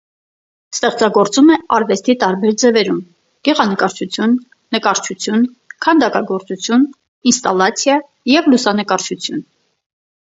Ստեղծագործում է արվեստի տարբեր ձևերում՝ գեղանկարչություն, նկարչություն, քանդակագործություն, ինստալյացիա և լուսանկարչություն։